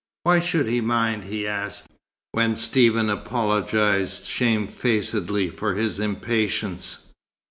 Why should he mind? he asked, when Stephen apologized shame facedly for his impatience.